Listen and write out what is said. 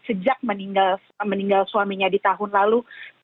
sejak meninggal suaminya di tahun lalu